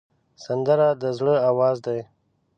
سندره د زړه آواز دی